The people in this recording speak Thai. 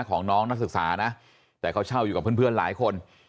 ของน้องนักศึกษานะแต่เขาเช่าอยู่กับเพื่อนหลายคน